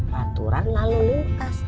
peraturan lalu lintas